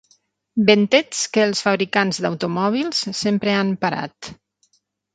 Ventets que els fabricants d'automòbils sempre han parat.